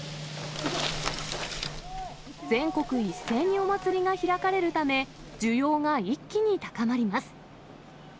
全国一斉にお祭りが開かれるため、需要が一気に高まります。